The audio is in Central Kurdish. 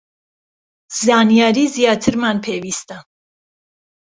زانیاری زیاترمان پێویستە